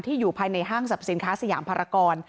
อยู่ภายในห้างสรรพสินค้าสยามภารกร